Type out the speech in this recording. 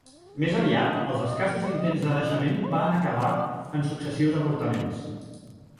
Més aviat, els escassos intents de naixement van acabar en successius avortaments.